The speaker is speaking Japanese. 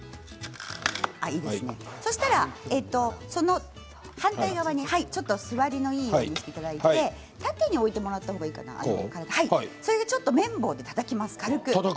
そうしたら反対側座りのいいようにしてもらって縦に置いてもらった方がいいかな麺棒でたたきます。